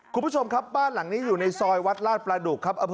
คุณผู้ชมครับบ้านหลังนี้อยู่ในซอยวัดลาดประดุกครับ